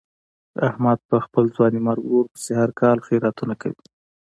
احمد په خپل ځوانیمرګ ورور پسې هر کال خیراتونه کوي.